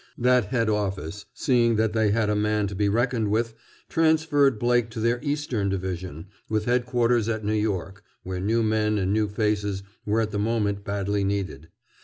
That head office, seeing that they had a man to be reckoned with, transferred Blake to their Eastern division, with headquarters at New York, where new men and new faces were at the moment badly needed.